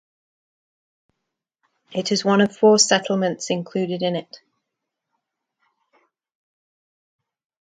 It is one of four settlements included in it.